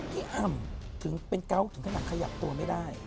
พี่อัมถึงเป็นเกาะถึงขยับตัวไม่ได้